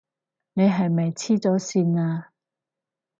你係咪痴咗線啊？